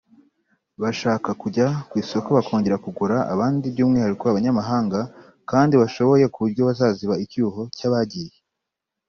bashaka kujya ku isoko bakongera kugura abandi by’umwihariko abanyamahanga kandi bashoboye ku buryo bazaziba icyuho cy’abagiye